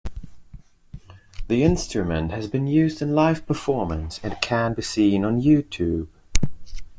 The instrument has been used in live performance and can be seen on YouTube.